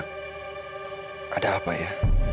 nggak mau alena